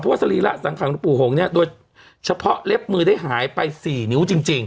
เพราะว่าสรีระสังขังหลวงปู่หงเนี้ยโดยเฉพาะเล็บมือได้หายไปสี่นิ้วจริงจริง